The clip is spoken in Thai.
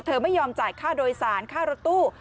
ไม่ยอมจ่ายค่าโดยสารค่ารถตู้